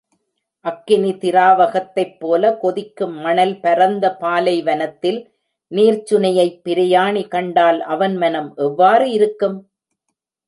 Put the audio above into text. அக்கினி திராவகத்தைப் போல கொதிக்கும் மணல் பரந்த பாலைவனத்தில் நீர்ச்சுனையைப் பிரயாணி கண்டால், அவன் மனம் எவ்வாறு இருக்கும்?